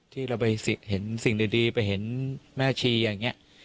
ที่เราไปเห็นสิ่งดีไปเห็นแม่ชีอย่างนี้